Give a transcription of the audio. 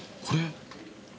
これ。